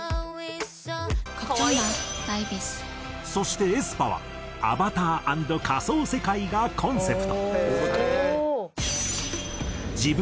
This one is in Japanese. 「可愛い」そしてａｅｓｐａはアバター＆仮想世界がコンセプト。